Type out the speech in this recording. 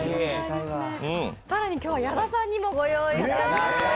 更に今日は矢田さんにもご用意しています。